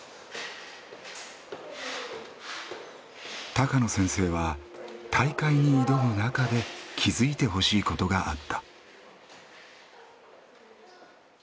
高野先生は大会に挑む中で気付いてほしいことがあった。